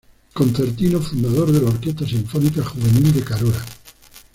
Concertino fundador de la Orquesta Sinfónica Juvenil de Carora.